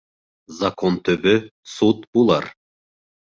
Закон төбө суд булыр.